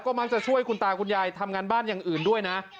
มักจะช่วยคุณตาคุณยายทำงานบ้านอย่างอื่นด้วยนะ